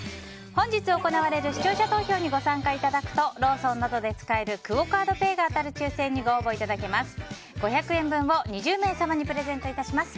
本日行われる視聴者投票にご参加いただくとローソンなどで使えるクオ・カードペイが当たる抽選にご応募いただけます。